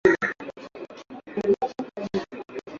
matembele yanaweza kuchemsha na kuliwa pekee yake